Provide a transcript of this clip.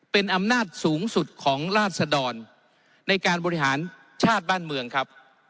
เป็นอำนาจสูงสุดของราชดรในการบริหารชาติบ้านเมืองครับ